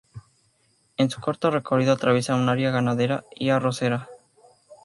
En su corto recorrido atraviesa una área ganadera y arrocera.